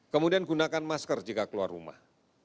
kemudian gunakan masker jika keluar rumah